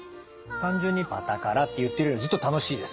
単純に「パタカラ」って言ってるよりずっと楽しいですね。